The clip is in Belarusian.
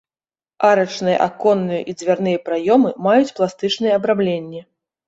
Арачныя аконныя і дзвярныя праёмы маюць пластычныя абрамленні.